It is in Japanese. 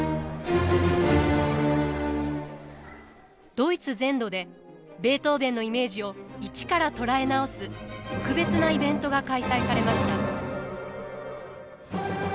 ドイツ全土でベートーヴェンのイメージを一から捉え直す特別なイベントが開催されました。